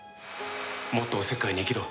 もっとおせっかいに生きろ。